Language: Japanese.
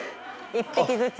１匹ずつ。